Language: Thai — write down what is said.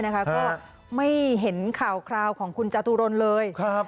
ก็ไม่เห็นข่าวของคุณจตุรนทร์เลย